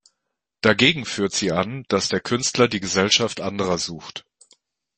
Dagegen führt sie an, dass der Künstler die Gesellschaft anderer sucht.